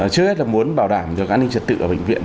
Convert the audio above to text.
trước hết là muốn bảo đảm cho an ninh trật tự ở bệnh viện